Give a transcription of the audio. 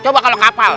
coba kalau kapal